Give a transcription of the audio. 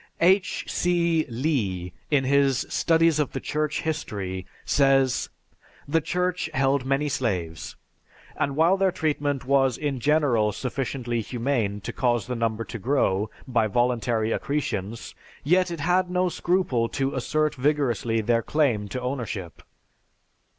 H. C. Lea in his "Studies of the Church History" says, "The Church held many slaves, and while their treatment was in general sufficiently humane to cause the number to grow by voluntary accretions, yet it had no scruple to assert vigorously their claim to ownership.